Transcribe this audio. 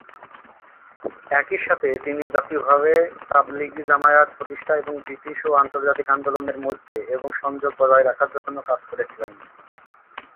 একই সাথে তিনি জাতীয়ভাবে তাবলিগী জামায়াত প্রতিষ্ঠা এবং ব্রিটিশ ও আন্তর্জাতিক আন্দোলনের মধ্যে এর সংযোগ বজায় রাখার জন্য কাজ করেছিলেন।